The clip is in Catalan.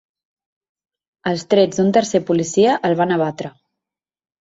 Els trets d’un tercer policia el van abatre.